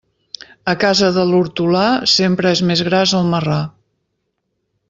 A casa de l'hortolà, sempre és més gras el marrà.